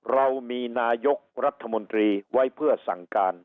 เรามีนายกรัฐมนตรีไว้เพื่อสั่งการ